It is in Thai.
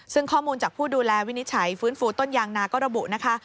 ซึ่งข้อมูลจากผู้ดูแลวินิจฉัยฟื้นฟูต้นยางนาก็ระบุนะคะ